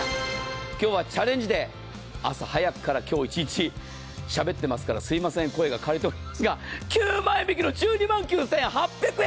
今日はチャレンジデー、朝早くから今日一日、しゃべっていますからすいません、声が枯れておりますが９万円引きの１２万９８００円！